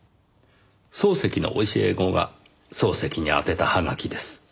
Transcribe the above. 漱石の教え子が漱石に宛てたはがきです。